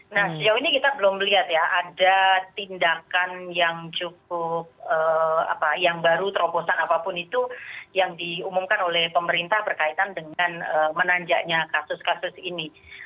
nah sejauh ini kita belum melihat ya ada tindakan yang cukup yang baru terobosan apapun itu yang diumumkan oleh pemerintah berkaitan dengan menanjaknya kasus kasus ini